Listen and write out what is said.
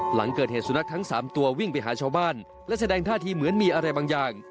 หลังเกิดเหตุสุนัขทั้ง๓ตัววิ่งไปหาชาวบ้านและแสดงท่าทีเหมือนมีอะไรบางอย่าง